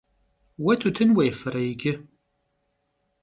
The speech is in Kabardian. Vue tutın vuêfere yicı?